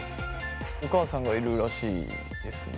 お母さんがいるらしいですね。